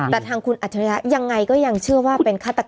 แต่ทางคุณอัจฉริยะยังไงก็ยังเชื่อว่าเป็นฆาตกรรม